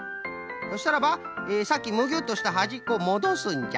そしたらばさっきむぎゅっとしたはじっこをもどすんじゃ。